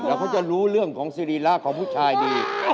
แล้วเขาจะรู้เรื่องของสิริรักษ์ของผู้ชายดี